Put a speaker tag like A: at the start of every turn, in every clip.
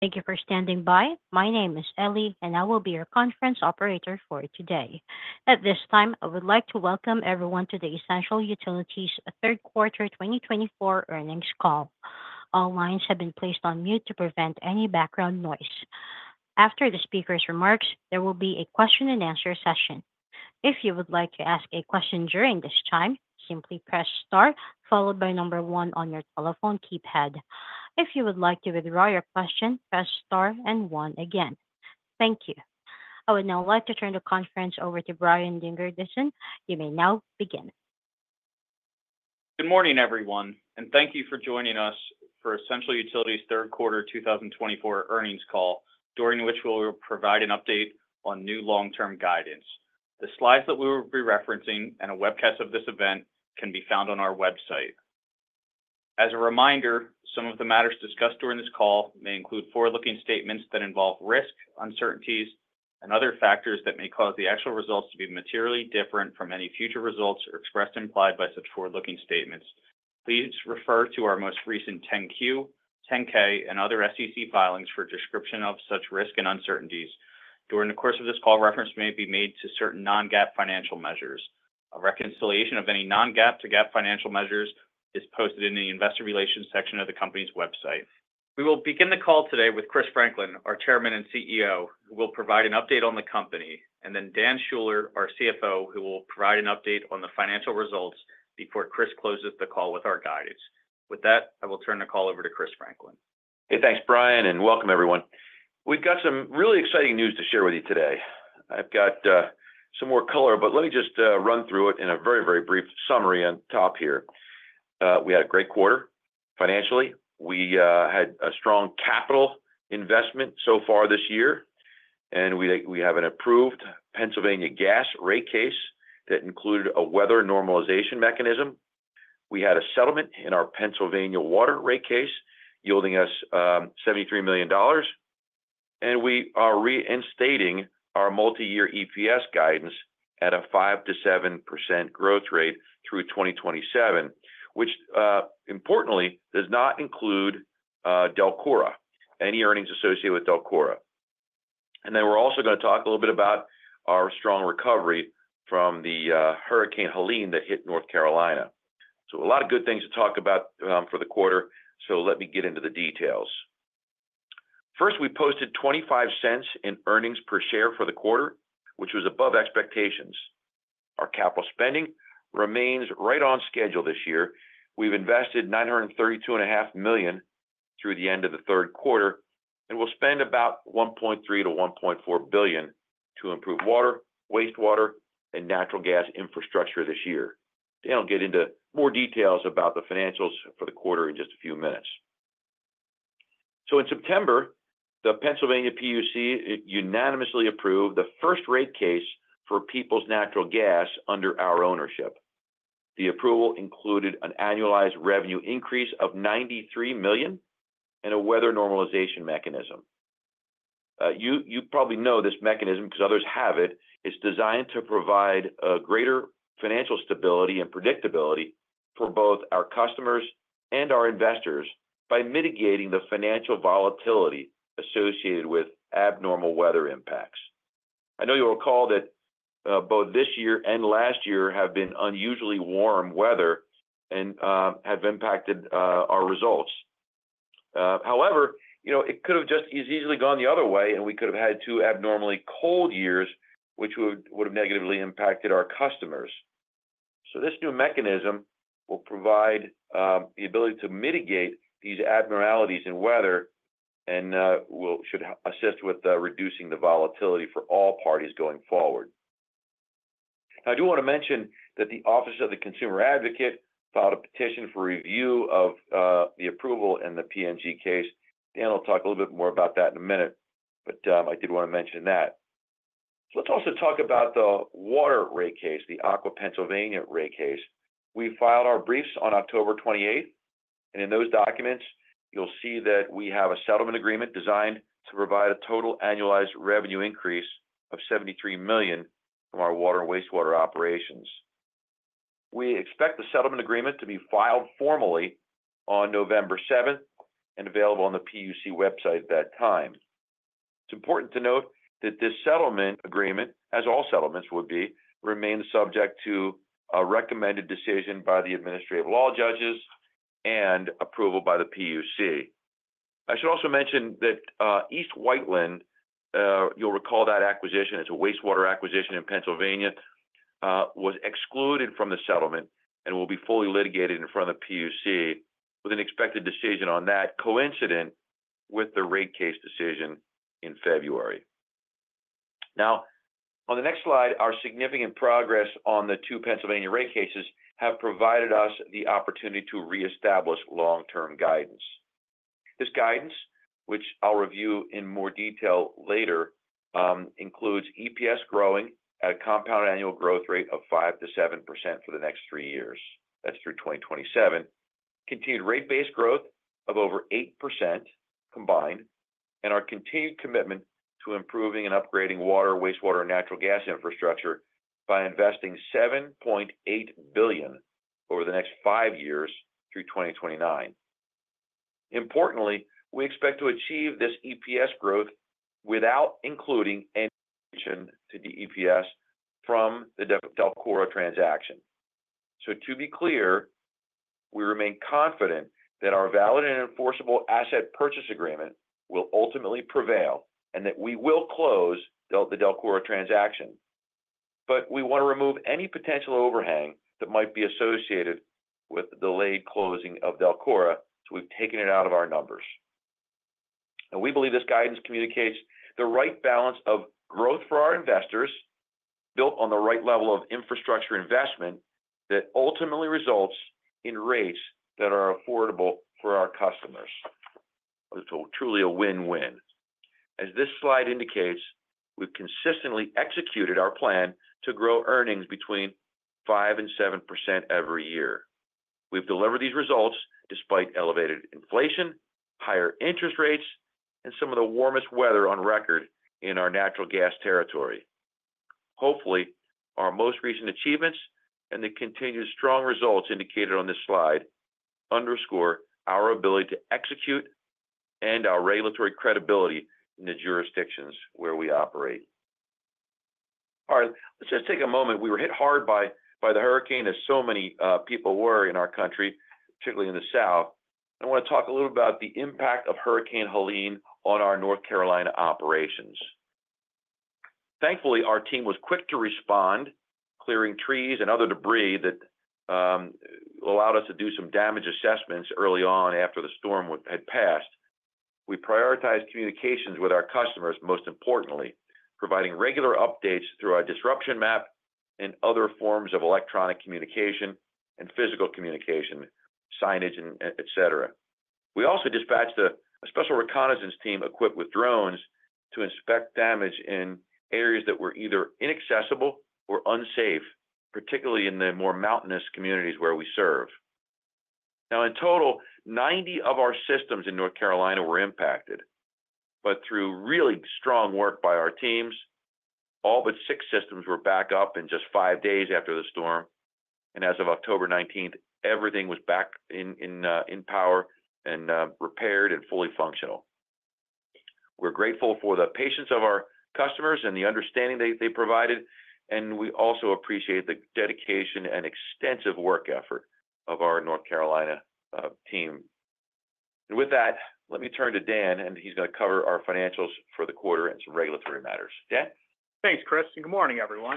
A: Thank you for standing by. My name is Ellie, and I will be your conference operator for today. At this time, I would like to welcome everyone to the Essential Utilities Third Quarter 2024 Earnings Call. All lines have been placed on mute to prevent any background noise. After the speaker's remarks, there will be a question-and-answer session. If you would like to ask a question during this time, simply press Star, followed by number one on your telephone keypad. If you would like to withdraw your question, press Star and one again. Thank you. I would now like to turn the conference over to Brian Dingerdissen. You may now begin.
B: Good morning, everyone, and thank you for joining us for Essential Utilities Third Quarter 2024 Earnings Call, during which we will provide an update on new long-term guidance. The slides that we will be referencing and a webcast of this event can be found on our website. As a reminder, some of the matters discussed during this call may include forward-looking statements that involve risk, uncertainties, and other factors that may cause the actual results to be materially different from any future results expressed or implied by such forward-looking statements. Please refer to our most recent 10-Q, 10-K, and other SEC filings for a description of such risk and uncertainties. During the course of this call, reference may be made to certain non-GAAP financial measures. A reconciliation of any non-GAAP to GAAP financial measures is posted in the Investor Relations section of the company's website. We will begin the call today with Chris Franklin, our Chairman and CEO, who will provide an update on the company, and then Dan Schuller, our CFO, who will provide an update on the financial results before Chris closes the call with our guidance. With that, I will turn the call over to Chris Franklin.
C: Hey, thanks, Brian, and welcome, everyone. We've got some really exciting news to share with you today. I've got some more color, but let me just run through it in a very, very brief summary on top here. We had a great quarter. Financially, we had a strong capital investment so far this year, and we have an approved Pennsylvania gas rate case that included a weather normalization mechanism. We had a settlement in our Pennsylvania water rate case, yielding us $73 million, and we are reinstating our multi-year EPS guidance at a 5%-7% growth rate through 2027, which, importantly, does not include DELCORA, any earnings associated with DELCORA. And then we're also going to talk a little bit about our strong recovery from the Hurricane Helene that hit North Carolina. So a lot of good things to talk about for the quarter, so let me get into the details. First, we posted $0.25 in earnings per share for the quarter, which was above expectations. Our capital spending remains right on schedule this year. We've invested $932.5 million through the end of the third quarter, and we'll spend about $1.3 billion-$1.4 billion to improve water, wastewater, and natural gas infrastructure this year. Dan will get into more details about the financials for the quarter in just a few minutes. So in September, the Pennsylvania PUC unanimously approved the first rate case for Peoples Natural Gas under our ownership. The approval included an annualized revenue increase of $93 million and a weather normalization mechanism. You probably know this mechanism because others have it. It's designed to provide greater financial stability and predictability for both our customers and our investors by mitigating the financial volatility associated with abnormal weather impacts. I know you'll recall that both this year and last year have been unusually warm weather and have impacted our results. However, it could have just as easily gone the other way, and we could have had two abnormally cold years, which would have negatively impacted our customers. So this new mechanism will provide the ability to mitigate these abnormalities in weather and should assist with reducing the volatility for all parties going forward. I do want to mention that the Office of the Consumer Advocate filed a petition for review of the approval in the P&G case. Dan will talk a little bit more about that in a minute, but I did want to mention that. Let's also talk about the water rate case, the Aqua Pennsylvania rate case. We filed our briefs on October 28th, and in those documents, you'll see that we have a settlement agreement designed to provide a total annualized revenue increase of $73 million from our water and wastewater operations. We expect the settlement agreement to be filed formally on November 7th and available on the PUC website at that time. It's important to note that this settlement agreement, as all settlements would be, remains subject to a recommended decision by the administrative law judges and approval by the PUC. I should also mention that East Whiteland, you'll recall that acquisition, it's a wastewater acquisition in Pennsylvania, was excluded from the settlement and will be fully litigated in front of the PUC with an expected decision on that coincident with the rate case decision in February. Now, on the next slide, our significant progress on the two Pennsylvania rate cases has provided us the opportunity to reestablish long-term guidance. This guidance, which I'll review in more detail later, includes EPS growing at a compound annual growth rate of 5%-7% for the next three years. That's through 2027. Continued rate-based growth of over 8% combined and our continued commitment to improving and upgrading water, wastewater, and natural gas infrastructure by investing $7.8 billion over the next five years through 2029. Importantly, we expect to achieve this EPS growth without including any contribution to the EPS from the DELCORA transaction. So to be clear, we remain confident that our valid and enforceable asset purchase agreement will ultimately prevail and that we will close the DELCORA transaction. But we want to remove any potential overhang that might be associated with the delayed closing of DELCORA, so we've taken it out of our numbers. And we believe this guidance communicates the right balance of growth for our investors built on the right level of infrastructure investment that ultimately results in rates that are affordable for our customers. It's truly a win-win. As this slide indicates, we've consistently executed our plan to grow earnings between 5% and 7% every year. We've delivered these results despite elevated inflation, higher interest rates, and some of the warmest weather on record in our natural gas territory. Hopefully, our most recent achievements and the continued strong results indicated on this slide underscore our ability to execute and our regulatory credibility in the jurisdictions where we operate. All right, let's just take a moment. We were hit hard by the hurricane, as so many people were in our country, particularly in the South. I want to talk a little about the impact of Hurricane Helene on our North Carolina operations. Thankfully, our team was quick to respond, clearing trees and other debris that allowed us to do some damage assessments early on after the storm had passed. We prioritized communications with our customers, most importantly, providing regular updates through our disruption map and other forms of electronic communication and physical communication, signage, etc. We also dispatched a special reconnaissance team equipped with drones to inspect damage in areas that were either inaccessible or unsafe, particularly in the more mountainous communities where we serve. Now, in total, 90 of our systems in North Carolina were impacted, but through really strong work by our teams, all but six systems were back up in just five days after the storm. And as of October 19th, everything was back in power and repaired and fully functional. We're grateful for the patience of our customers and the understanding they provided, and we also appreciate the dedication and extensive work effort of our North Carolina team. And with that, let me turn to Dan, and he's going to cover our financials for the quarter and some regulatory matters. Dan?
D: Thanks, Chris, and good morning, everyone.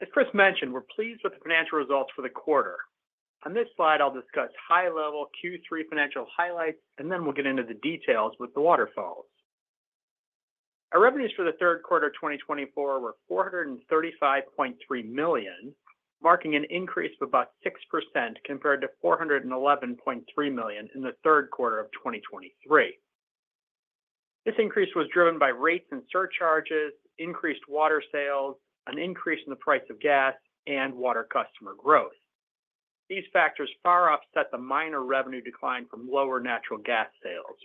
D: As Chris mentioned, we're pleased with the financial results for the quarter. On this slide, I'll discuss high-level Q3 financial highlights, and then we'll get into the details with the waterfalls. Our revenues for the third quarter of 2024 were $435.3 million, marking an increase of about 6% compared to $411.3 million in the third quarter of 2023. This increase was driven by rates and surcharges, increased water sales, an increase in the price of gas, and water customer growth. These factors far offset the minor revenue decline from lower natural gas sales.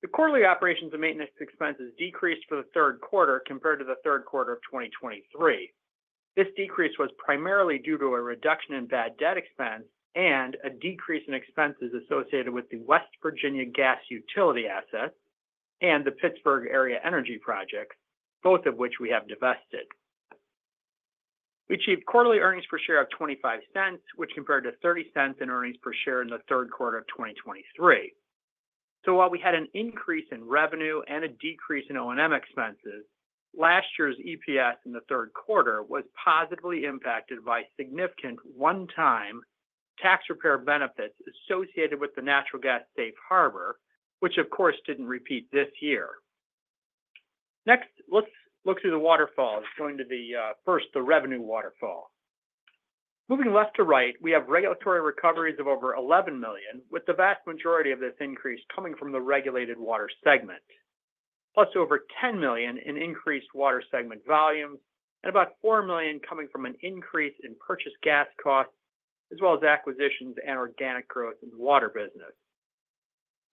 D: The quarterly operations and maintenance expenses decreased for the third quarter compared to the third quarter of 2023. This decrease was primarily due to a reduction in bad debt expense and a decrease in expenses associated with the West Virginia Gas Utility Asset and the Pittsburgh Area Energy Project, both of which we have divested. We achieved quarterly earnings per share of $0.25, which compared to $0.30 in earnings per share in the third quarter of 2023. So while we had an increase in revenue and a decrease in O&M expenses, last year's EPS in the third quarter was positively impacted by significant one-time tax repair benefits associated with the natural gas safe harbor, which, of course, didn't repeat this year. Next, let's look through the waterfalls, going to the first, the revenue waterfall. Moving left to right, we have regulatory recoveries of over $11 million, with the vast majority of this increase coming from the regulated water segment, plus over $10 million in increased water segment volumes, and about $4 million coming from an increase in purchased gas costs, as well as acquisitions and organic growth in the water business.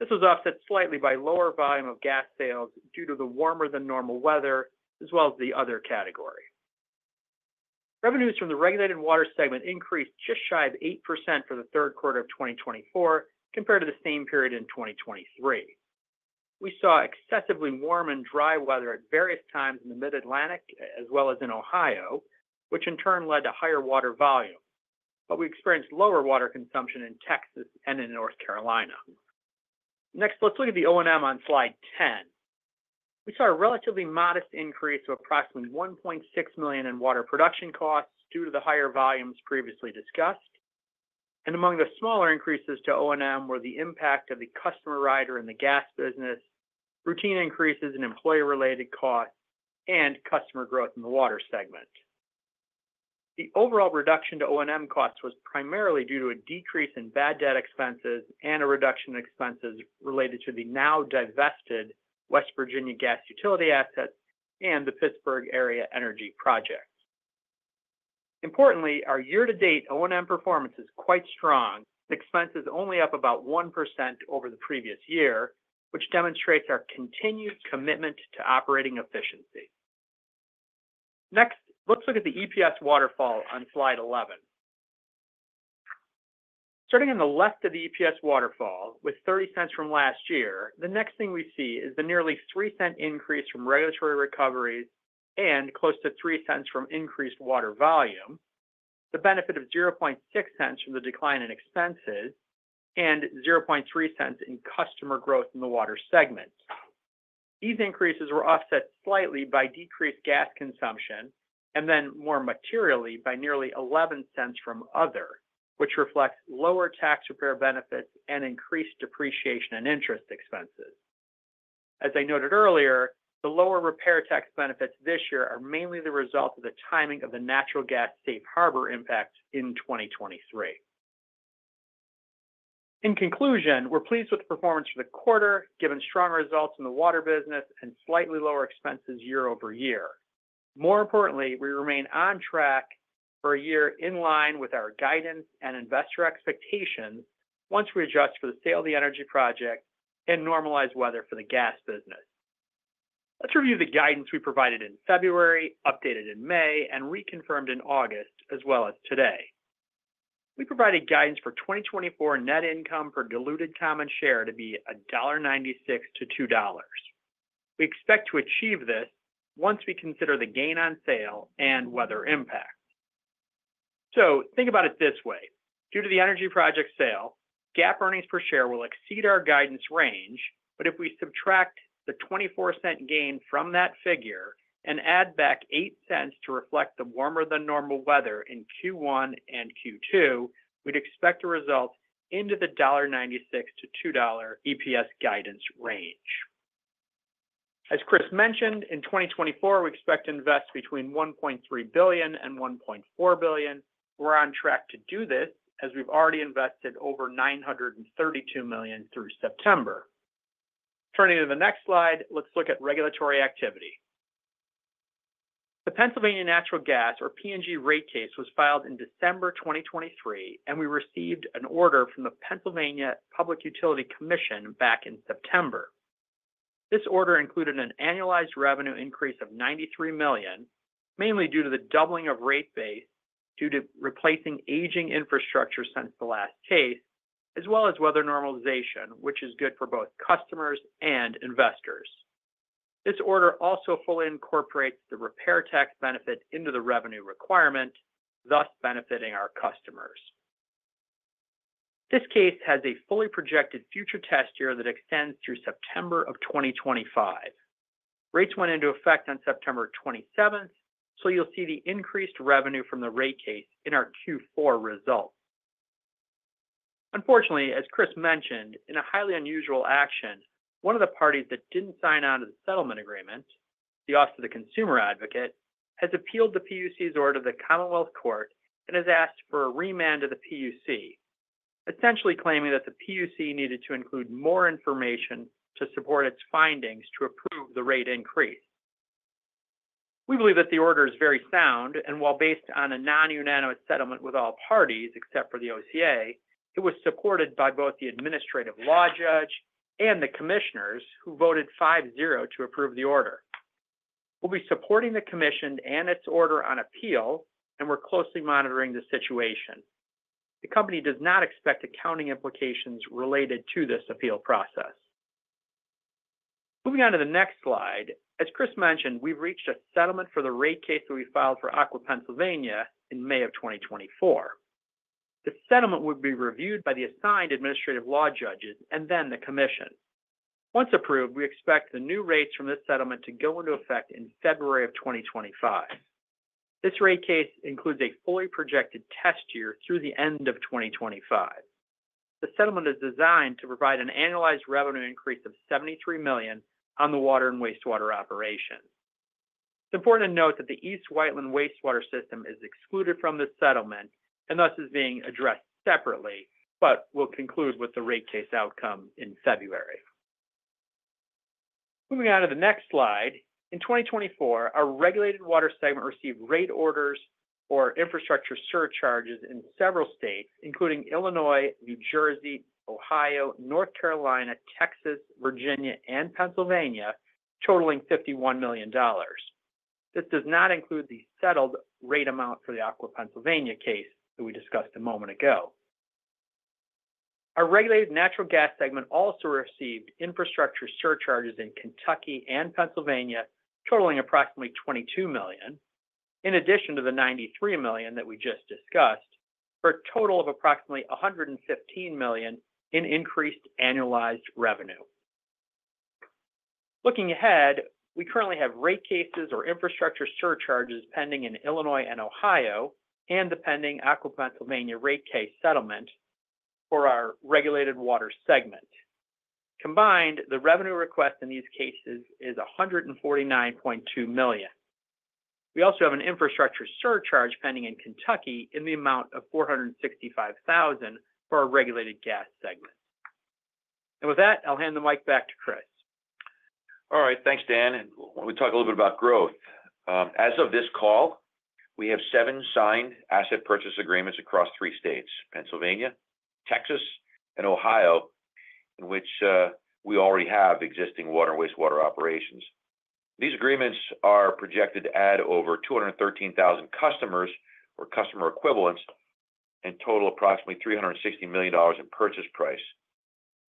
D: This was offset slightly by lower volume of gas sales due to the warmer-than-normal weather, as well as the other category. Revenues from the regulated water segment increased just shy of 8% for the third quarter of 2024 compared to the same period in 2023. We saw excessively warm and dry weather at various times in the Mid-Atlantic, as well as in Ohio, which in turn led to higher water volume. But we experienced lower water consumption in Texas and in North Carolina. Next, let's look at the O&M on slide 10. We saw a relatively modest increase of approximately $1.6 million in water production costs due to the higher volumes previously discussed. Among the smaller increases to O&M were the impact of the customer rider in the gas business, routine increases in employee-related costs, and customer growth in the water segment. The overall reduction to O&M costs was primarily due to a decrease in bad debt expenses and a reduction in expenses related to the now divested West Virginia Gas Utility Asset and the Pittsburgh Area Energy Project. Importantly, our year-to-date O&M performance is quite strong. The expense is only up about 1% over the previous year, which demonstrates our continued commitment to operating efficiency. Next, let's look at the EPS waterfall on slide 11. Starting on the left of the EPS waterfall, with $0.30 from last year, the next thing we see is the nearly $0.03 increase from regulatory recoveries and close to $0.03 from increased water volume, the benefit of $0.06 from the decline in expenses, and $0.03 in customer growth in the water segment. These increases were offset slightly by decreased gas consumption and then more materially by nearly $0.11 from other, which reflects lower tax repair benefits and increased depreciation and interest expenses. As I noted earlier, the lower repair tax benefits this year are mainly the result of the timing of the natural gas safe harbor impact in 2023. In conclusion, we're pleased with the performance for the quarter, given strong results in the water business and slightly lower expenses year-over-year. More importantly, we remain on track for a year in line with our guidance and investor expectations once we adjust for the sale of the energy project and normalize weather for the gas business. Let's review the guidance we provided in February, updated in May, and reconfirmed in August, as well as today. We provided guidance for 2024 net income per diluted common share to be $1.96-$2. We expect to achieve this once we consider the gain on sale and weather impact. So think about it this way. Due to the energy project sale, GAAP earnings per share will exceed our guidance range, but if we subtract the $0.24 gain from that figure and add back $0.08 to reflect the warmer-than-normal weather in Q1 and Q2, we'd expect to result in the $1.96-$2 EPS guidance range. As Chris mentioned, in 2024, we expect to invest between $1.3 billion and $1.4 billion. We're on track to do this, as we've already invested over $932 million through September. Turning to the next slide, let's look at regulatory activity. The Peoples Natural Gas, or P&G, rate case was filed in December 2023, and we received an order from the Pennsylvania Public Utility Commission back in September. This order included an annualized revenue increase of $93 million, mainly due to the doubling of rate base due to replacing aging infrastructure since the last case, as well as weather normalization, which is good for both customers and investors. This order also fully incorporates the repair tax benefit into the revenue requirement, thus benefiting our customers. This case has a fully projected future test year that extends through September of 2025. Rates went into effect on September 27th, so you'll see the increased revenue from the rate case in our Q4 results. Unfortunately, as Chris mentioned, in a highly unusual action, one of the parties that didn't sign on to the settlement agreement, the Office of the Consumer Advocate, has appealed the PUC's order to the Commonwealth Court and has asked for a remand of the PUC, essentially claiming that the PUC needed to include more information to support its findings to approve the rate increase. We believe that the order is very sound, and while based on a non-unanimous settlement with all parties, except for the OCA, it was supported by both the administrative law judge and the commissioners who voted 5-0 to approve the order. We'll be supporting the commission and its order on appeal, and we're closely monitoring the situation. The company does not expect accounting implications related to this appeal process. Moving on to the next slide, as Chris mentioned, we've reached a settlement for the rate case that we filed for Aqua Pennsylvania in May of 2024. The settlement will be reviewed by the assigned administrative law judges and then the commission. Once approved, we expect the new rates from this settlement to go into effect in February of 2025. This rate case includes a fully projected test year through the end of 2025. The settlement is designed to provide an annualized revenue increase of $73 million on the water and wastewater operations. It's important to note that the East Whiteland wastewater system is excluded from this settlement and thus is being addressed separately, but we'll conclude with the rate case outcome in February. Moving on to the next slide, in 2024, our regulated water segment received rate orders for infrastructure surcharges in several states, including Illinois, New Jersey, Ohio, North Carolina, Texas, Virginia, and Pennsylvania, totaling $51 million. This does not include the settled rate amount for the Aqua Pennsylvania case that we discussed a moment ago. Our regulated natural gas segment also received infrastructure surcharges in Kentucky and Pennsylvania, totaling approximately $22 million, in addition to the $93 million that we just discussed, for a total of approximately $115 million in increased annualized revenue. Looking ahead, we currently have rate cases or infrastructure surcharges pending in Illinois and Ohio and the pending Aqua Pennsylvania rate case settlement for our regulated water segment. Combined, the revenue request in these cases is $149.2 million. We also have an infrastructure surcharge pending in Kentucky in the amount of $465,000 for our regulated gas segment. With that, I'll hand the mic back to Chris.
C: All right, thanks, Dan. We'll talk a little bit about growth. As of this call, we have seven signed asset purchase agreements across three states: Pennsylvania, Texas, and Ohio, in which we already have existing water and wastewater operations. These agreements are projected to add over 213,000 customers or customer equivalents and total approximately $360 million in purchase price.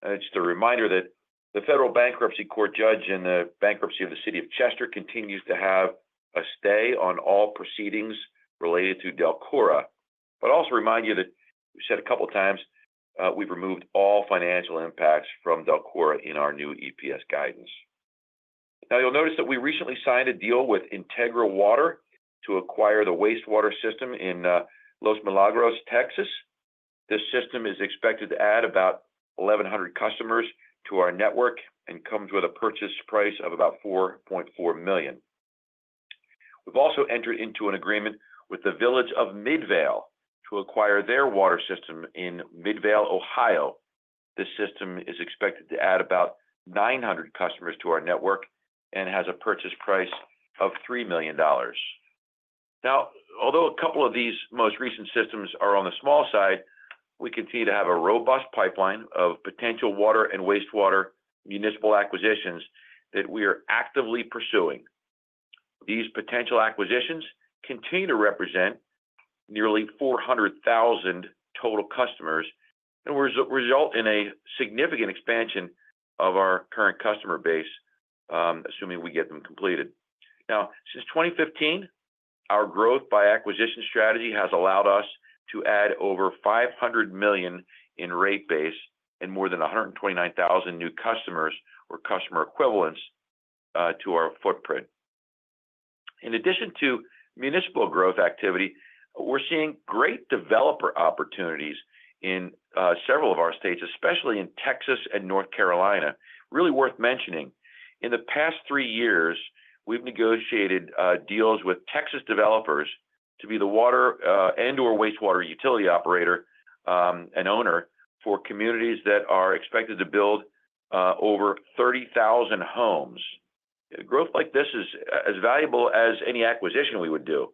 C: It's a reminder that the federal bankruptcy court judge in the bankruptcy of the city of Chester continues to have a stay on all proceedings related to DELCORA, but also remind you that we said a couple of times we've removed all financial impacts from DELCORA in our new EPS guidance. Now, you'll notice that we recently signed a deal with Integra Water to acquire the wastewater system in Los Milagros, Texas. This system is expected to add about 1,100 customers to our network and comes with a purchase price of about $4.4 million. We've also entered into an agreement with the Village of Midvale to acquire their water system in Midvale, Ohio. This system is expected to add about 900 customers to our network and has a purchase price of $3 million. Now, although a couple of these most recent systems are on the small side, we continue to have a robust pipeline of potential water and wastewater municipal acquisitions that we are actively pursuing. These potential acquisitions continue to represent nearly 400,000 total customers and result in a significant expansion of our current customer base, assuming we get them completed. Now, since 2015, our growth by acquisition strategy has allowed us to add over $500 million in rate base and more than 129,000 new customers or customer equivalents to our footprint. In addition to municipal growth activity, we're seeing great developer opportunities in several of our states, especially in Texas and North Carolina. Really worth mentioning. In the past three years, we've negotiated deals with Texas developers to be the water and/or wastewater utility operator and owner for communities that are expected to build over 30,000 homes. Growth like this is as valuable as any acquisition we would do.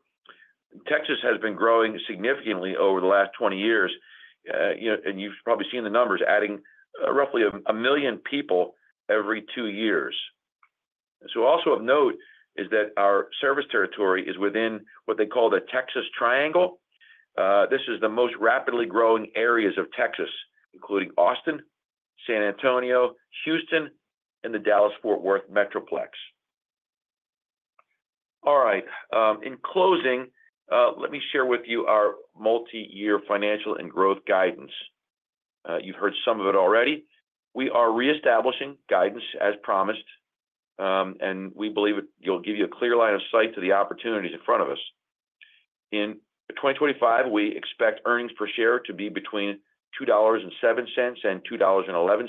C: Texas has been growing significantly over the last 20 years, and you've probably seen the numbers, adding roughly a million people every two years. So also of note is that our service territory is within what they call the Texas Triangle. This is the most rapidly growing areas of Texas, including Austin, San Antonio, Houston, and the Dallas-Fort Worth Metroplex. All right. In closing, let me share with you our multi-year financial and growth guidance. You've heard some of it already. We are reestablishing guidance as promised, and we believe it'll give you a clear line of sight to the opportunities in front of us. In 2025, we expect earnings per share to be between $2.07 and $2.11.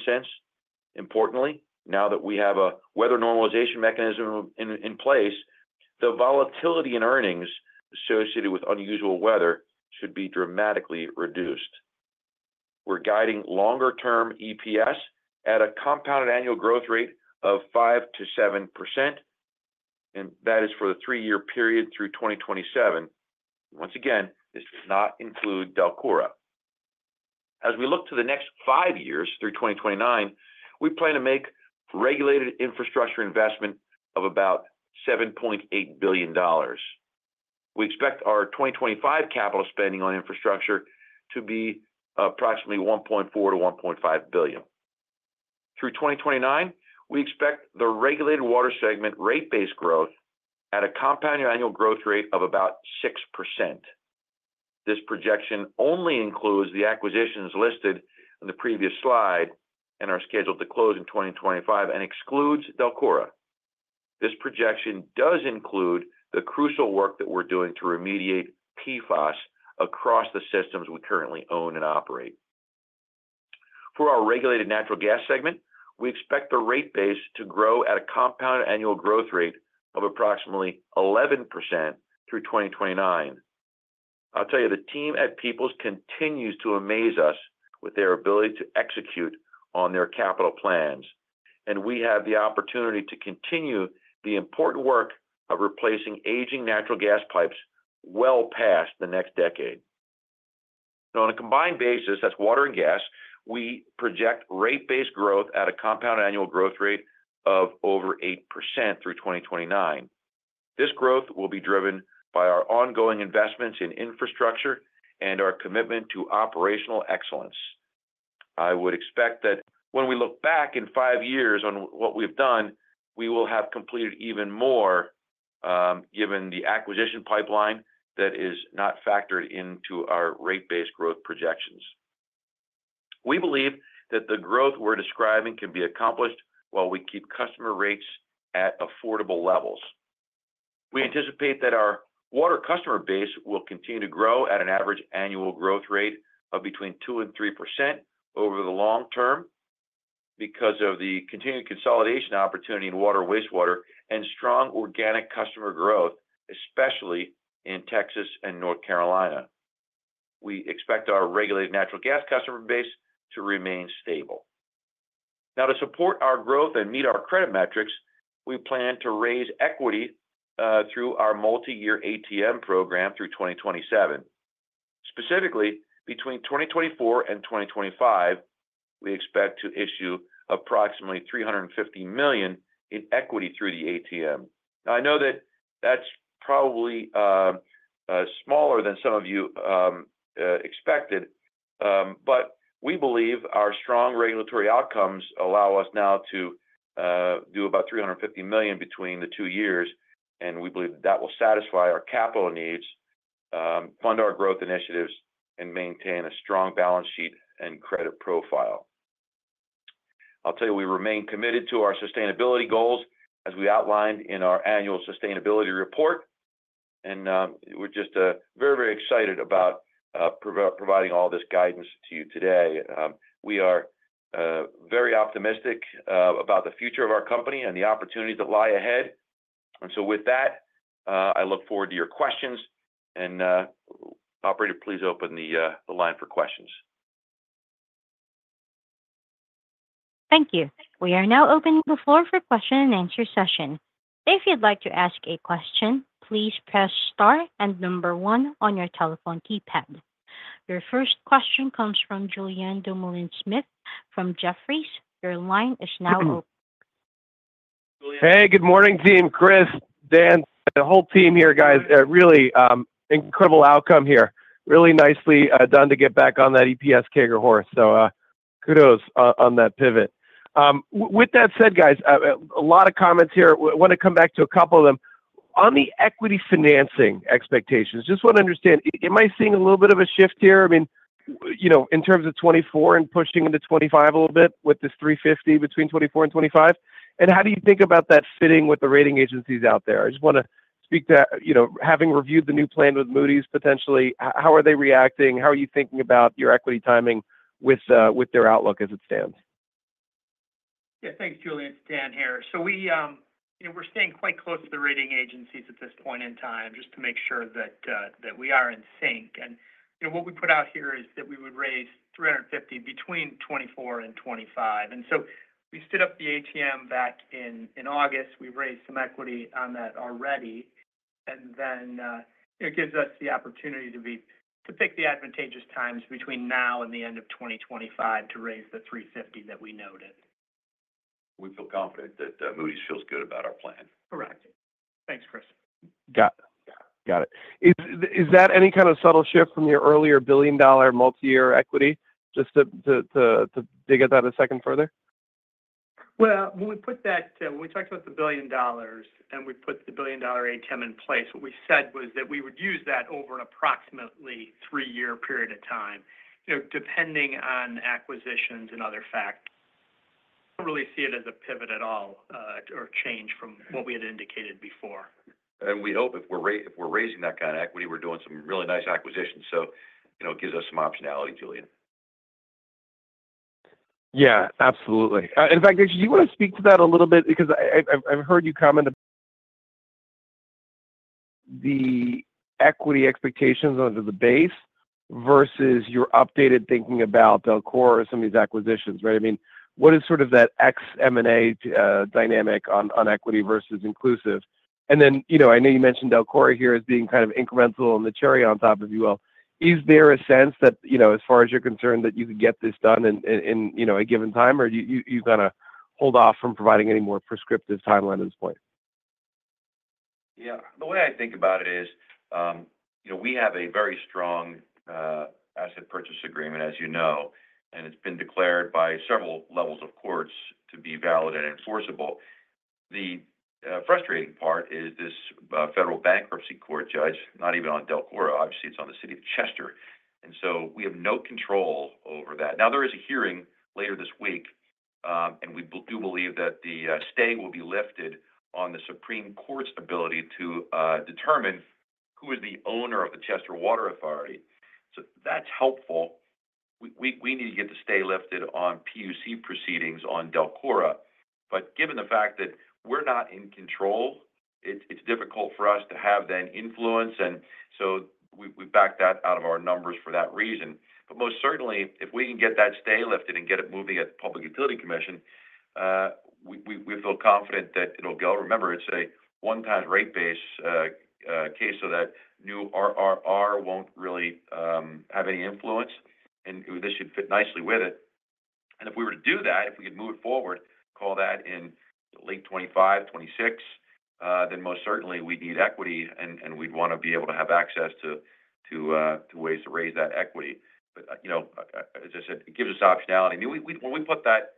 C: Importantly, now that we have a weather normalization mechanism in place, the volatility in earnings associated with unusual weather should be dramatically reduced. We're guiding longer-term EPS at a compounded annual growth rate of 5%-7%, and that is for the three-year period through 2027. Once again, this does not include DELCORA. As we look to the next five years through 2029, we plan to make regulated infrastructure investment of about $7.8 billion. We expect our 2025 capital spending on infrastructure to be approximately $1.4 billion-$1.5 billion. Through 2029, we expect the regulated water segment rate-based growth at a compounded annual growth rate of about 6%. This projection only includes the acquisitions listed in the previous slide and are scheduled to close in 2025 and excludes DELCORA. This projection does include the crucial work that we're doing to remediate PFAS across the systems we currently own and operate. For our regulated natural gas segment, we expect the rate base to grow at a compounded annual growth rate of approximately 11% through 2029. I'll tell you, the team at Peoples continues to amaze us with their ability to execute on their capital plans, and we have the opportunity to continue the important work of replacing aging natural gas pipes well past the next decade. On a combined basis, that's water and gas, we project rate-based growth at a compounded annual growth rate of over 8% through 2029. This growth will be driven by our ongoing investments in infrastructure and our commitment to operational excellence. I would expect that when we look back in five years on what we've done, we will have completed even more given the acquisition pipeline that is not factored into our rate-based growth projections. We believe that the growth we're describing can be accomplished while we keep customer rates at affordable levels. We anticipate that our water customer base will continue to grow at an average annual growth rate of between 2% and 3% over the long-term because of the continued consolidation opportunity in water and wastewater and strong organic customer growth, especially in Texas and North Carolina. We expect our regulated natural gas customer base to remain stable. Now, to support our growth and meet our credit metrics, we plan to raise equity through our multi-year ATM program through 2027. Specifically, between 2024 and 2025, we expect to issue approximately $350 million in equity through the ATM. Now, I know that that's probably smaller than some of you expected, but we believe our strong regulatory outcomes allow us now to do about $350 million between the two years, and we believe that that will satisfy our capital needs, fund our growth initiatives, and maintain a strong balance sheet and credit profile. I'll tell you, we remain committed to our sustainability goals as we outlined in our annual sustainability report, and we're just very, very excited about providing all this guidance to you today. We are very optimistic about the future of our company and the opportunities that lie ahead. And so with that, I look forward to your questions. And operator, please open the line for questions.
A: Thank you. We are now opening the floor for question and answer session. If you'd like to ask a question, please press star and number one on your telephone keypad. Your first question comes from Julien Dumoulin-Smith from Jefferies. Your line is now open.
E: Hey, good morning, team. Chris, Dan, the whole team here, guys. Really incredible outcome here. Really nicely done to get back on that EPS growth horse. So kudos on that pivot. With that said, guys, a lot of comments here. I want to come back to a couple of them. On the equity financing expectations, just want to understand, am I seeing a little bit of a shift here? I mean, in terms of 2024 and pushing into 2025 a little bit with this $350 million between 2024 and 2025. And how do you think about that fitting with the rating agencies out there? I just want to speak to, having reviewed the new plan with Moody's potentially, how are they reacting? How are you thinking about your equity timing with their outlook as it stands?
D: Yeah, thanks, Julian and Dan here. So we're staying quite close to the rating agencies at this point in time just to make sure that we are in sync. And what we put out here is that we would raise $350 million between 2024 and 2025. And so we stood up the ATM back in August. We've raised some equity on that already. And then it gives us the opportunity to pick the advantageous times between now and the end of 2025 to raise the $350 million that we noted.
C: We feel confident that Moody's feels good about our plan.
D: Correct. Thanks, Chris.
E: Got it. Got it. Is that any kind of subtle shift from your earlier billion-dollar multi-year equity? Just to dig at that a second further.
D: When we put that, when we talked about the $1 billion and we put the $1 billion ATM in place, what we said was that we would use that over an approximately three-year period of time, depending on acquisitions and other facts. I don't really see it as a pivot at all or change from what we had indicated before.
C: And we hope if we're raising that kind of equity, we're doing some really nice acquisitions. So it gives us some optionality, Julien.
E: Yeah, absolutely. In fact, do you want to speak to that a little bit? Because I've heard you comment about the equity expectations onto the base versus your updated thinking about DELCORA or some of these acquisitions, right? I mean, what is sort of that ex-M&A dynamic on equity versus inclusive? And then I know you mentioned DELCORA here as being kind of incremental and the cherry on top, if you will. Is there a sense that, as far as you're concerned, that you could get this done in a given time, or do you kind of hold off from providing any more prescriptive timeline at this point?
C: Yeah. The way I think about it is we have a very strong asset purchase agreement, as you know, and it's been declared by several levels of courts to be valid and enforceable. The frustrating part is this federal bankruptcy court judge, not even on DELCORA. Obviously, it's on the City of Chester. And so we have no control over that. Now, there is a hearing later this week, and we do believe that the stay will be lifted on the Supreme Court's ability to determine who is the owner of the Chester Water Authority. So that's helpful. We need to get the stay lifted on PUC proceedings on DELCORA. But given the fact that we're not in control, it's difficult for us to have that influence. And so we back that out of our numbers for that reason. But most certainly, if we can get that stay lifted and get it moving at the Public Utility Commission, we feel confident that it'll go. Remember, it's a one-time rate-based case, so that new RRR won't really have any influence, and this should fit nicely with it. And if we were to do that, if we could move it forward, call that in late 2025, 2026, then most certainly we'd need equity, and we'd want to be able to have access to ways to raise that equity. But as I said, it gives us optionality. When we put that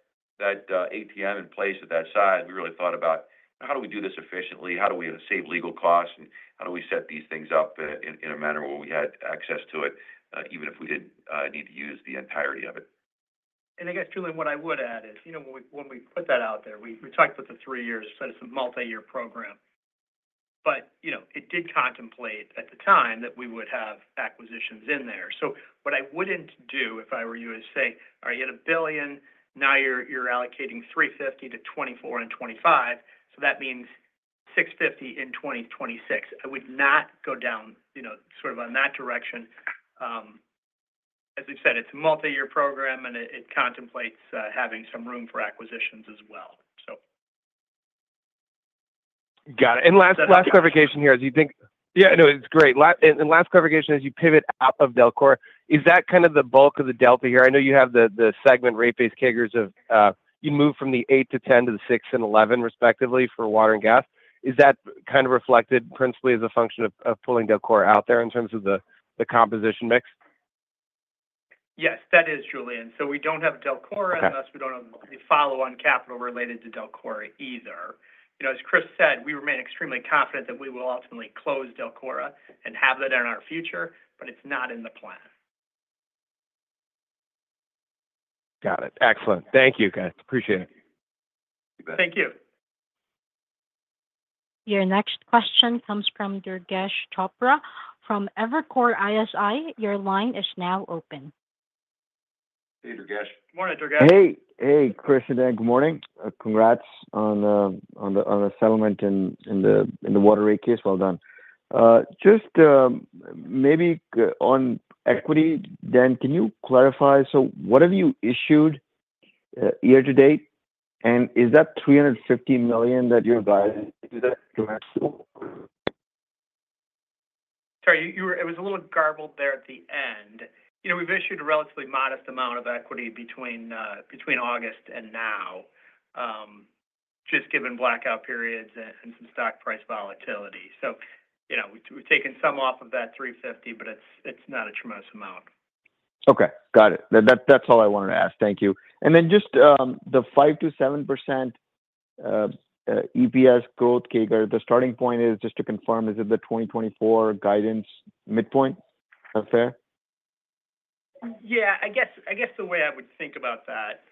C: ATM in place at that side, we really thought about how do we do this efficiently? How do we save legal costs? And how do we set these things up in a manner where we had access to it, even if we didn't need to use the entirety of it.
D: I guess, Julien, what I would add is when we put that out there, we talked about the three years, said it's a multi-year program. But it did contemplate at the time that we would have acquisitions in there. So what I wouldn't do if I were you is say, "All right, you had a billion. Now you're allocating $350 million to 2024 and 2025. So that means $650 million in 2026." I would not go down sort of on that direction. As we've said, it's a multi-year program, and it contemplates having some room for acquisitions as well, so.
E: Got it. And last clarification here, as you think.
D: That's fine.
E: Yeah, no, it's great. And last clarification, as you pivot out of DELCORA, is that kind of the bulk of the delta here? I know you have the segment rate base changes as you move from the eight to 10 to the six and 11 respectively for water and gas. Is that kind of reflected principally as a function of pulling DELCORA out there in terms of the composition mix?
D: Yes, that is, Julien. So we don't have DELCORA unless we don't have the follow-on capital related to DELCORA either. As Chris said, we remain extremely confident that we will ultimately close DELCORA and have that in our future, but it's not in the plan.
E: Got it. Excellent. Thank you, guys. Appreciate it.
D: Thank you.
A: Your next question comes from Durgesh Chopra from Evercore ISI. Your line is now open.
C: Hey, Durgesh.
D: Good morning, Durgesh.
F: Hey. Hey, Chris and Dan. Good morning. Congrats on the settlement in the water rate case. Well done. Just maybe on equity, Dan, can you clarify? So what have you issued year-to-date? And is that $350 million that you're guiding to that?
D: Sorry, it was a little garbled there at the end. We've issued a relatively modest amount of equity between August and now, just given blackout periods and some stock price volatility. So we've taken some off of that $350 million, but it's not a tremendous amount.
F: Okay. Got it. That's all I wanted to ask. Thank you. And then just the 5%-7% EPS growth target, the starting point is just to confirm, is it the 2024 guidance midpoint? Is that fair?
D: Yeah. I guess the way I would think about that,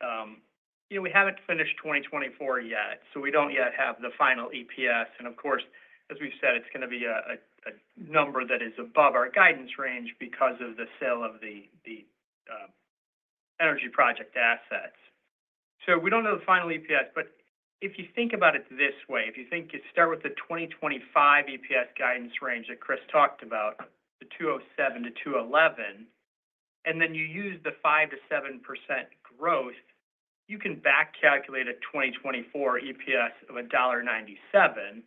D: we haven't finished 2024 yet, so we don't yet have the final EPS. And of course, as we've said, it's going to be a number that is above our guidance range because of the sale of the energy project assets. So we don't know the final EPS, but if you think about it this way, if you start with the 2025 EPS guidance range that Chris talked about, the $2.07-$2.11, and then you use the 5%-7% growth, you can back-calculate a 2024 EPS of $1.97,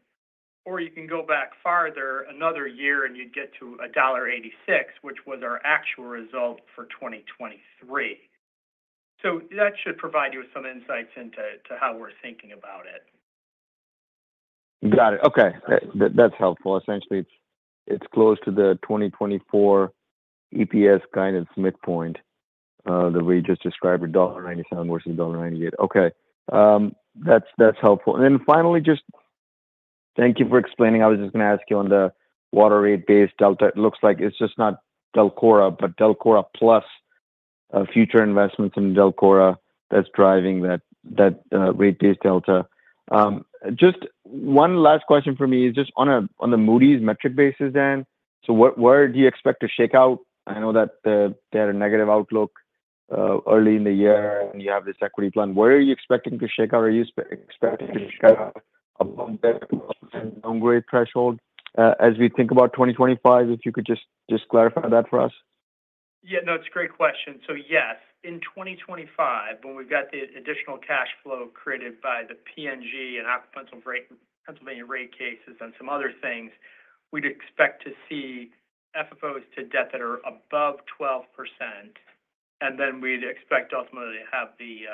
D: or you can go back farther another year and you'd get to $1.86, which was our actual result for 2023. So that should provide you with some insights into how we're thinking about it.
F: Got it. Okay. That's helpful. Essentially, it's close to the 2024 EPS guidance midpoint, the way you just described, $1.97 vs $1.98. Okay. That's helpful. And then finally, just thank you for explaining. I was just going to ask you on the water rate base delta. It looks like it's just not DELCORA, but DELCORA plus future investments in DELCORA that's driving that rate base delta. Just one last question for me is just on the Moody's metric basis, Dan. So where do you expect to shake out? I know that they had a negative outlook early in the year, and you have this equity plan. Where are you expecting to shake out? Are you expecting to shake out above that investment-grade threshold as we think about 2025? If you could just clarify that for us.
D: Yeah. No, it's a great question. So yes, in 2025, when we've got the additional cash flow created by the P&G and Aqua Pennsylvania rate cases and some other things, we'd expect to see FFOs to debt that are above 12%. And then we'd expect ultimately to have the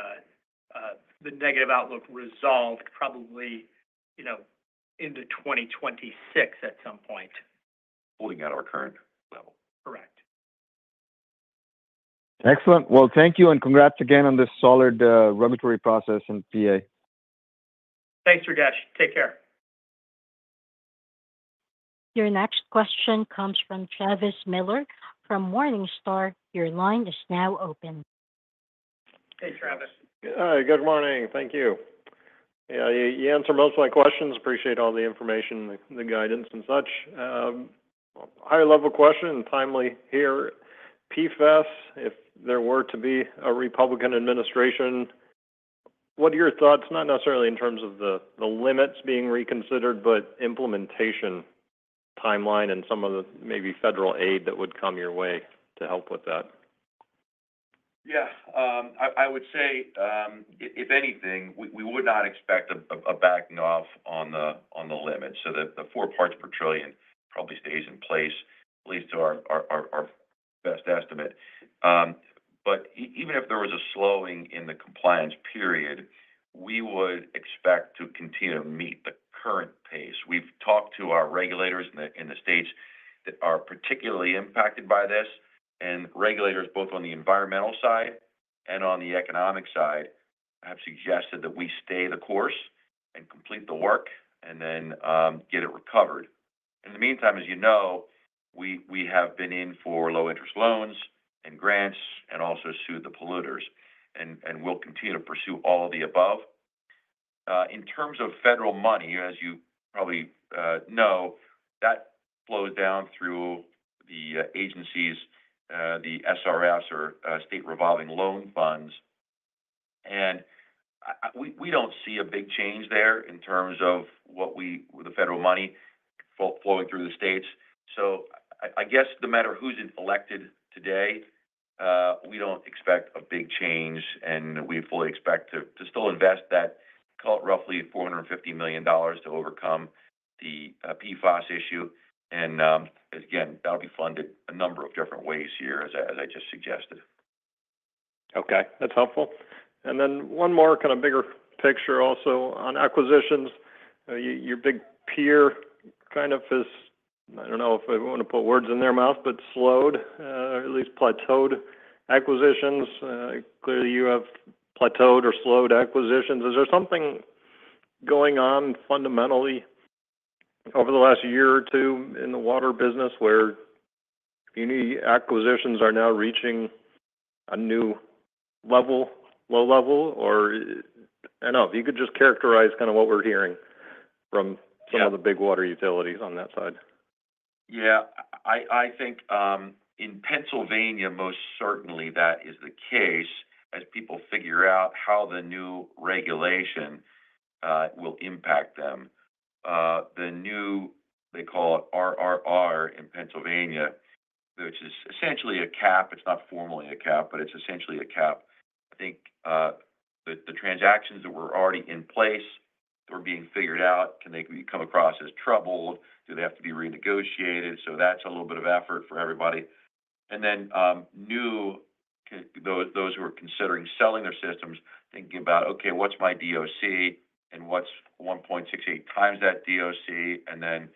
D: negative outlook resolved probably into 2026 at some point.
C: Holding at our current level.
D: Correct.
F: Excellent. Well, thank you. And congrats again on this solid regulatory process in PA.
D: Thanks, Durgesh. Take care.
A: Your next question comes from Travis Miller from Morningstar. Your line is now open.
D: Hey, Travis.
G: Hi. Good morning. Thank you. Yeah, you answered most of my questions. Appreciate all the information, the guidance, and such. Higher-level question and timely here. PFAS, if there were to be a Republican administration, what are your thoughts, not necessarily in terms of the limits being reconsidered, but implementation timeline and some of the maybe federal aid that would come your way to help with that?
C: Yeah. I would say, if anything, we would not expect a backing off on the limit, so the four parts per trillion probably stays in place, at least to our best estimate, but even if there was a slowing in the compliance period, we would expect to continue to meet the current pace. We've talked to our regulators in the states that are particularly impacted by this, and regulators, both on the environmental side and on the economic side, have suggested that we stay the course and complete the work and then get it recovered. In the meantime, as you know, we have been in for low-interest loans and grants and also sued the polluters, and we'll continue to pursue all of the above. In terms of federal money, as you probably know, that flows down through the agencies, the SRFs, or state revolving loan funds. We don't see a big change there in terms of the federal money flowing through the states. So I guess no matter who's elected today, we don't expect a big change. We fully expect to still invest that, call it roughly $450 million to overcome the PFAS issue. Again, that'll be funded a number of different ways here, as I just suggested.
G: Okay. That's helpful. And then one more kind of bigger picture also on acquisitions. Your big peer kind of has, I don't know if I want to put words in their mouth, but slowed, or at least plateaued acquisitions. Clearly, you have plateaued or slowed acquisitions. Is there something going on fundamentally over the last year or two in the water business where any acquisitions are now reaching a new low level? Or I don't know. If you could just characterize kind of what we're hearing from some of the big water utilities on that side.
C: Yeah. I think in Pennsylvania, most certainly that is the case, as people figure out how the new regulation will impact them. The new, they call it RRR in Pennsylvania, which is essentially a cap. It's not formally a cap, but it's essentially a cap. I think the transactions that were already in place that were being figured out, can they come across as troubled? Do they have to be renegotiated? So that's a little bit of effort for everybody. And then new, those who are considering selling their systems, thinking about, "Okay, what's my DOC? And what's 1.68 times that DOC? And then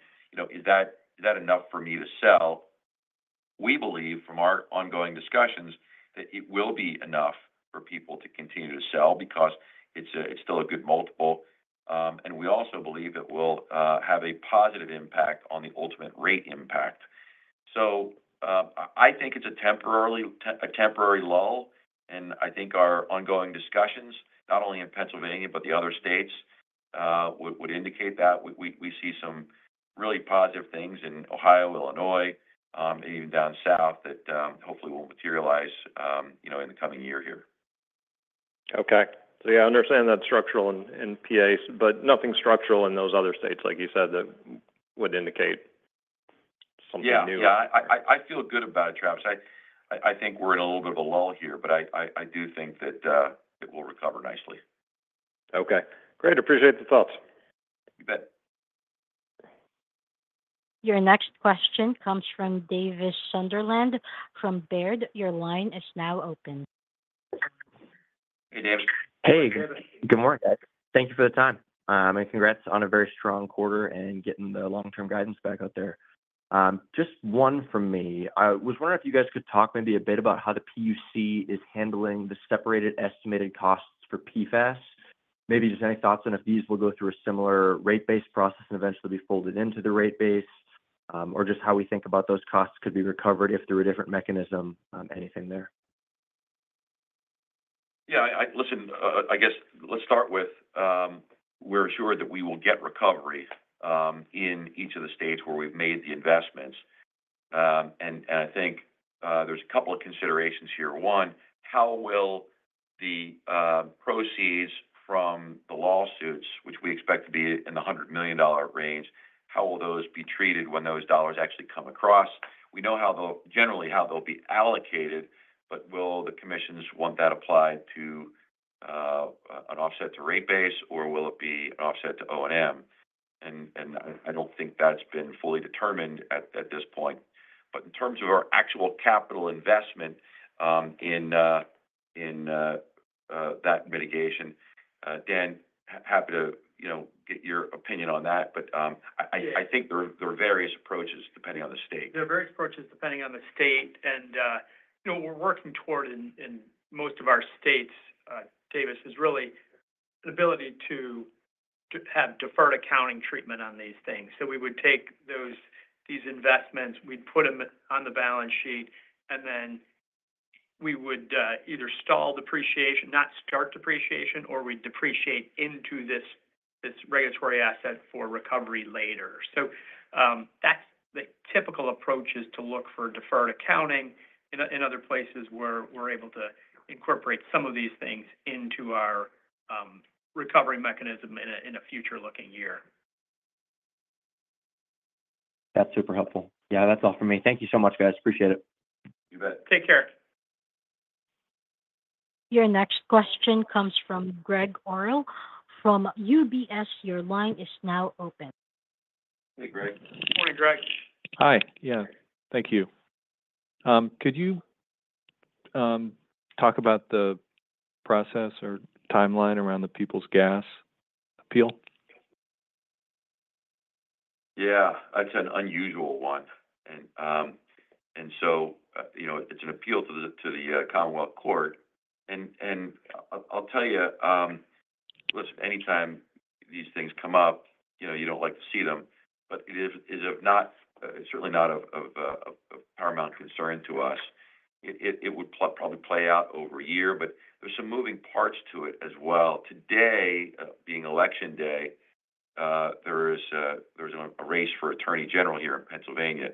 C: is that enough for me to sell?" We believe, from our ongoing discussions, that it will be enough for people to continue to sell because it's still a good multiple. And we also believe it will have a positive impact on the ultimate rate impact. So I think it's a temporary lull. And I think our ongoing discussions, not only in Pennsylvania, but the other states, would indicate that. We see some really positive things in Ohio, Illinois, and even down south that hopefully will materialize in the coming year here.
G: Okay. So yeah, I understand that structural in PA, but nothing structural in those other states, like you said, that would indicate something new.
C: Yeah. Yeah. I feel good about it, Travis. I think we're in a little bit of a lull here, but I do think that it will recover nicely.
G: Okay. Great. Appreciate the thoughts.
C: You bet.
A: Your next question comes from Davis Sunderland from Baird. Your line is now open.
C: Hey, Davis.
H: Hey. Good morning. Thank you for the time, and congrats on a very strong quarter and getting the long-term guidance back out there. Just one from me. I was wondering if you guys could talk maybe a bit about how the PUC is handling the separated estimated costs for PFAS. Maybe just any thoughts on if these will go through a similar rate-based process and eventually be folded into the rate base, or just how we think about those costs could be recovered if there were a different mechanism, anything there?
C: Yeah. Listen, I guess let's start with we're assured that we will get recovery in each of the states where we've made the investments. I think there's a couple of considerations here. One, how will the proceeds from the lawsuits, which we expect to be in the $100 million range, how will those be treated when those dollars actually come across? We know generally how they'll be allocated, but will the commissions want that applied to an offset to rate base, or will it be an offset to O&M? I don't think that's been fully determined at this point. In terms of our actual capital investment in that mitigation, Dan, happy to get your opinion on that. I think there are various approaches depending on the state.
D: There are various approaches depending on the state, and what we're working toward in most of our states, Davis, is really the ability to have deferred accounting treatment on these things. So we would take these investments, we'd put them on the balance sheet, and then we would either stall depreciation, not start depreciation, or we'd depreciate into this regulatory asset for recovery later, so that's the typical approach is to look for deferred accounting in other places where we're able to incorporate some of these things into our recovery mechanism in a future-looking year.
H: That's super helpful. Yeah, that's all for me. Thank you so much, guys. Appreciate it.
C: You bet.
D: Take care.
A: Your next question comes from Gregg Orrill from UBS. Your line is now open.
C: Hey, Gregg.
D: Good morning, Gregg.
I: Hi. Yeah. Thank you. Could you talk about the process or timeline around the Peoples Gas appeal?
C: Yeah. It's an unusual one. And so it's an appeal to the Commonwealth Court. And I'll tell you, listen, anytime these things come up, you don't like to see them. But it is certainly not of paramount concern to us. It would probably play out over a year, but there's some moving parts to it as well. Today, being election day, there is a race for Attorney General here in Pennsylvania.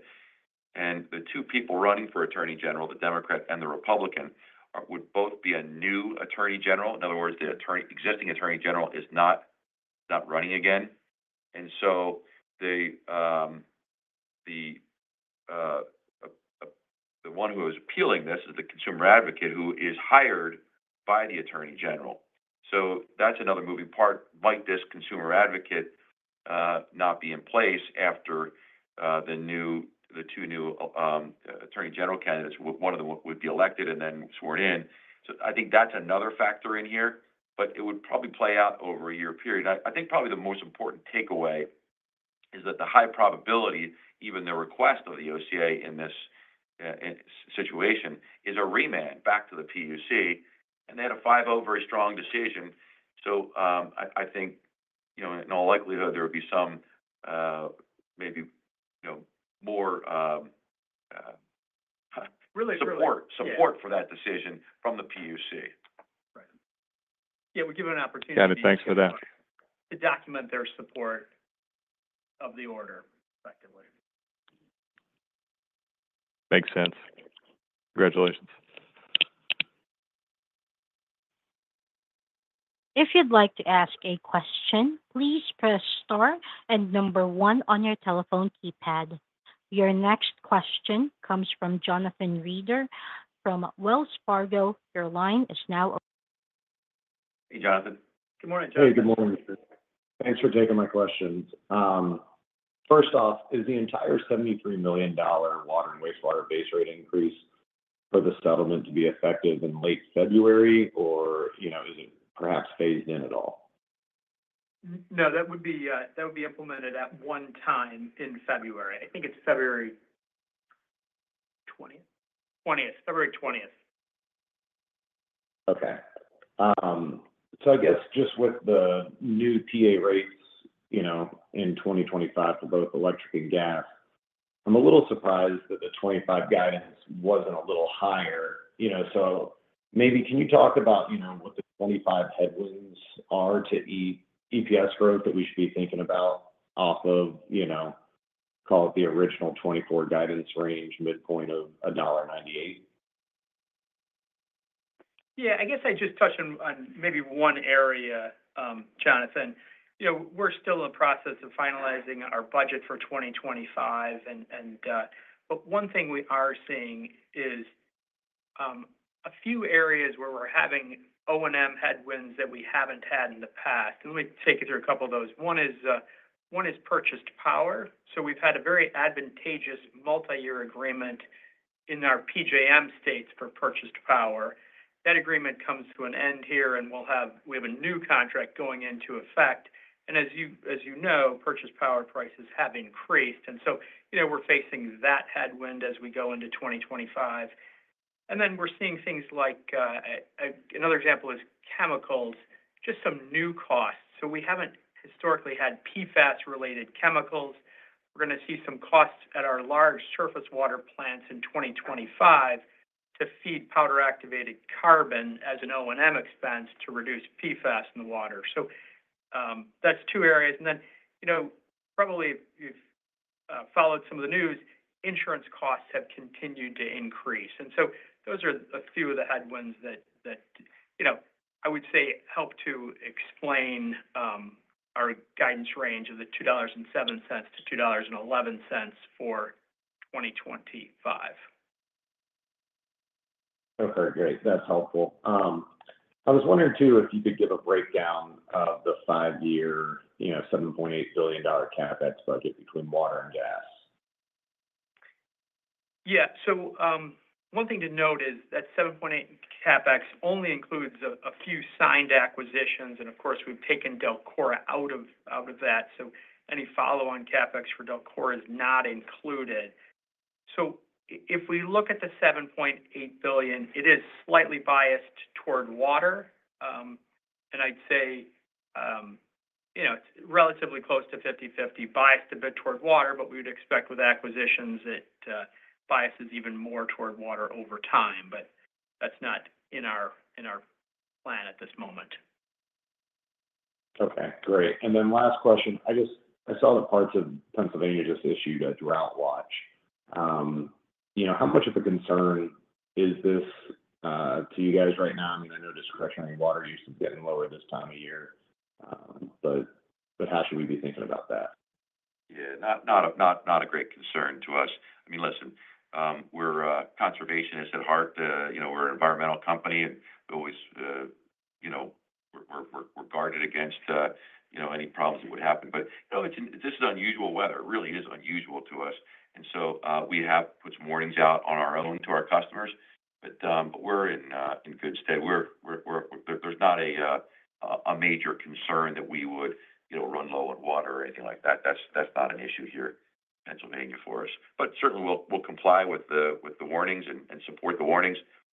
C: And the two people running for Attorney General, the Democrat and the Republican, would both be a new Attorney General. In other words, the existing Attorney General is not running again. And so the one who is appealing this is the Consumer Advocate who is hired by the Attorney General. So that's another moving part. Might this Consumer Advocate not be in place after the two new Attorney General candidates? One of them would be elected and then sworn in. So I think that's another factor in here, but it would probably play out over a year period. I think probably the most important takeaway is that the high probability, even the request of the OCA in this situation, is a remand back to the PUC. And they had a 5-0 very strong decision. So I think in all likelihood, there would be some maybe more support for that decision from the PUC.
D: Right. Yeah. We give it an opportunity to document.
I: Dan, thanks for that.
D: To document their support of the order, effectively.
I: Makes sense. Congratulations.
A: If you'd like to ask a question, please press star and number one on your telephone keypad. Your next question comes from Jonathan Reeder from Wells Fargo. Your line is now.
C: Hey, Jonathan.
D: Good morning, Jonathan.
J: Hey, good morning. Thanks for taking my questions. First off, is the entire $73 million water and wastewater base rate increase for the settlement to be effective in late February, or is it perhaps phased in at all?
D: No, that would be implemented at one time in February. I think it's February 20th.
J: Okay. So I guess just with the new PA rates in 2025 for both electric and gas, I'm a little surprised that the 2025 guidance wasn't a little higher, so maybe can you talk about what the 2025 headwinds are to EPS growth that we should be thinking about off of, call it the original 2024 guidance range, midpoint of $1.98?
D: Yeah. I guess I just touch on maybe one area, Jonathan. We're still in the process of finalizing our budget for 2025. But one thing we are seeing is a few areas where we're having O&M headwinds that we haven't had in the past. And let me take you through a couple of those. One is purchased power. So we've had a very advantageous multi-year agreement in our PJM states for purchased power. That agreement comes to an end here, and we have a new contract going into effect. And as you know, purchased power prices have increased. And so we're facing that headwind as we go into 2025. And then we're seeing things like another example is chemicals, just some new costs. So we haven't historically had PFAS-related chemicals. We're going to see some costs at our large surface water plants in 2025 to feed powdered activated carbon as an O&M expense to reduce PFAS in the water. So that's two areas. And then probably, if you've followed some of the news, insurance costs have continued to increase. And so those are a few of the headwinds that I would say help to explain our guidance range of the $2.07-$2.11 for 2025.
J: Okay. Great. That's helpful. I was wondering too if you could give a breakdown of the five-year $7.8 billion CapEx budget between water and gas.
D: Yeah. So one thing to note is that $7.8 billion CapEx only includes a few signed acquisitions, and of course, we've taken DELCORA out of that, so any follow-on CapEx for DELCORA is not included. So if we look at the $7.8 billion, it is slightly biased toward water, and I'd say it's relatively close to 50/50, biased a bit toward water, but we would expect with acquisitions that bias is even more toward water over time, but that's not in our plan at this moment.
J: Okay. Great. And then last question. I saw the parts of Pennsylvania just issued a drought watch. How much of a concern is this to you guys right now? I mean, I know discretionary water use is getting lower this time of year, but how should we be thinking about that?
C: Yeah. Not a great concern to us. I mean, listen, we're conservationists at heart. We're an environmental company. We're always guarded against any problems that would happen. But this is unusual weather. It really is unusual to us. And so we have put some warnings out on our own to our customers, but we're in good stead. There's not a major concern that we would run low on water or anything like that. That's not an issue here in Pennsylvania for us. But certainly, we'll comply with the warnings and support the warnings.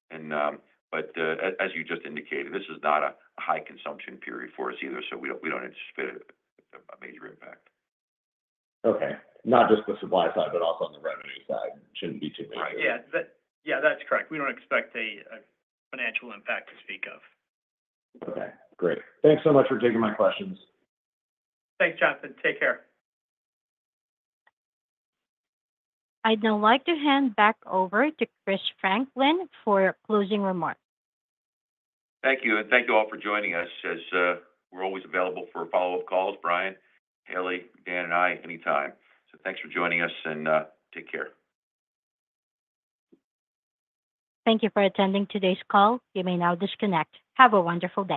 C: But as you just indicated, this is not a high consumption period for us either, so we don't anticipate a major impact. Okay. Not just the supply side, but also on the revenue side. Shouldn't be too big.
D: Yeah. Yeah. That's correct. We don't expect a financial impact to speak of.
J: Okay. Great. Thanks so much for taking my questions.
D: Thanks, Jonathan. Take care.
A: I'd now like to hand back over to Chris Franklin for closing remarks.
C: Thank you, and thank you all for joining us. We're always available for follow-up calls, Brian, Ellie, Dan, and I anytime. Thanks for joining us and take care.
A: Thank you for attending today's call. You may now disconnect. Have a wonderful day.